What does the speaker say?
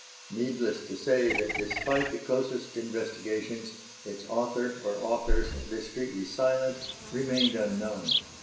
Needless to say that, despite the closest investigations, its author or authors, discreetly silent, remained unknown.